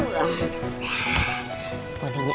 satu dua tiga